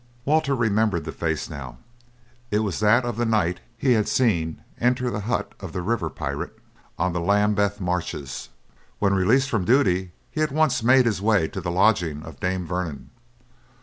Walter remembered the face now; it was that of the knight he had seen enter the hut of the river pirate on the Lambeth marshes. When released from duty he at once made his way to the lodging of Dame Vernon.